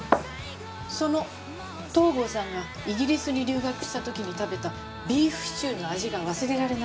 その東郷さんがイギリスに留学した時に食べたビーフシチューの味が忘れられなくって。